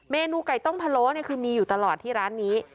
นูไก่ต้มพะโล้คือมีอยู่ตลอดที่ร้านนี้